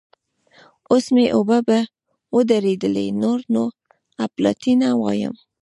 اوس مې اوبه ودرېدلې؛ نور نو اپلاتي نه وایم.